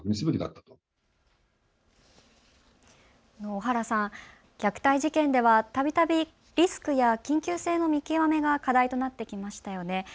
尾原さん、虐待事件ではたびたびリスクや緊急性の見極めが課題となってきましたよね。